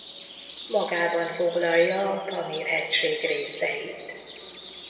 Magában foglalja a Pamír-hegység részeit.